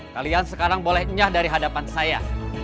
kalian sekarang boleh enyah dari hadapan saya